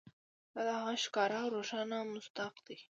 دا د هغه ښکاره او روښانه مصداق دی.